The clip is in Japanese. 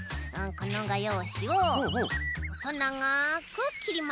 このがようしをほそながくきります。